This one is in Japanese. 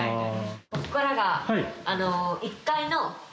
ここからが。